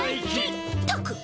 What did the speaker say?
ったく！